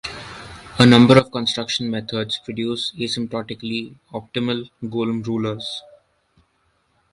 A number of construction methods produce asymptotically optimal Golomb rulers.